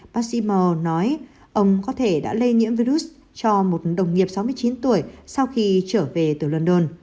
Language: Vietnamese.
pacimore nói ông có thể đã lây nhiễm virus cho một đồng nghiệp sáu mươi chín tuổi sau khi trở về từ london